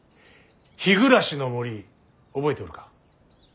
日暮らしの森覚えておるか。